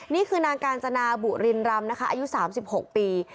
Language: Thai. นี่คือนางกาญจนาบุรินรำนะคะอายุ๓๖ปี